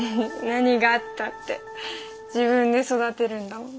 何があったって自分で育てるんだもの。